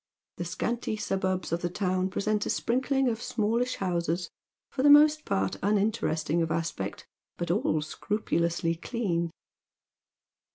The scanty suburbs of the town present a sprinkling of smallish houses, for the most part unin teresting of aspect, but all scrupulously clean.